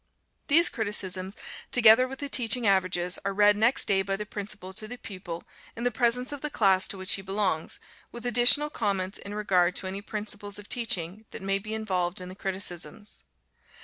These criticisms, together with the teaching averages, are read next day by the Principal to the pupil in the presence of the class to which he belongs, with additional comments in regard to any principles of teaching that may be involved in the criticisms.